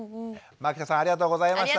牧田さんありがとうございました。